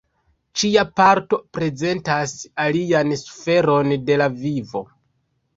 Ĉia parto prezentas alian sferon de la vivo.